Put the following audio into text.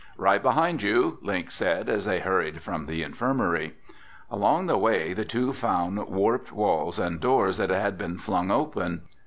"Right behind you," Link said as they hurried from the infirmary. Along the way, the two found warped walls and doors that had been flung open.